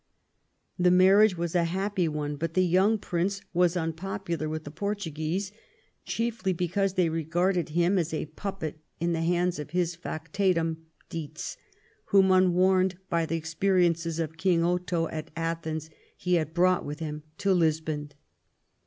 The marriage was a happy one, but the young Prince was unpopular wjth the Portuguese, chiefly because they regarded him as a puppet in the hands of his factotum Dietz, whom, un warned by the experiences of King Otho at Athens, he had brought with him to Lisbon.